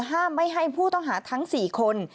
ห้ามไม่ให้ผู้ต้องหาทั้ง๔คน